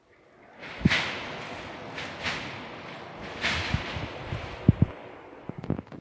Pronto, la lancha de los oficiales perdió de vista a las demás.